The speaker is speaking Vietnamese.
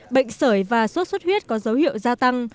bệnh sởi và suốt suốt huyết có dấu hiệu gia tăng